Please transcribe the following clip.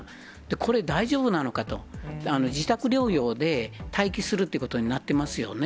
これ、大丈夫なのかと、自宅療養で待機するということになってますよね。